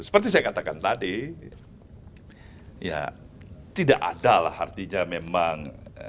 seperti saya katakan tadi ya tidak ada lah artinya memang